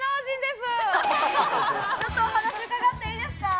ちょっとお話伺っていいですか。